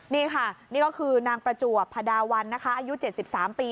นี่ค่ะนี่ก็คือนางประจวบพระดาวันนะคะอายุ๗๓ปี